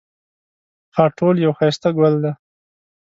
خاټول یو ښایسته ګل دی